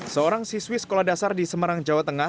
seorang siswi sekolah dasar di semarang jawa tengah